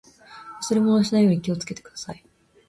忘れ物をしないように気をつけてください。